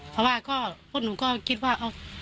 เพราะว่าพวกหนูก็คิดว่า